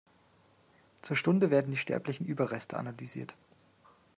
Zur Stunde werden die sterblichen Überreste analysiert.